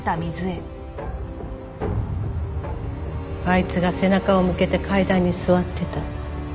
あいつが背中を向けて階段に座ってた。